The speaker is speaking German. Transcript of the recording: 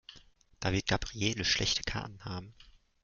Da wird Gabriele schlechte Karten haben.